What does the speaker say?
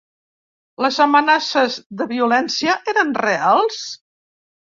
Les amenaces de violència eren reals?